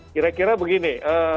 saya kira begini